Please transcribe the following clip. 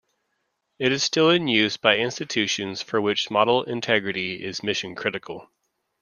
It is still in use by institutions for which model integrity is mission critical.